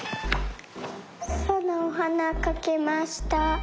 さなおはなかきました。